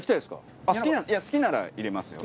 好きなら入れますよ。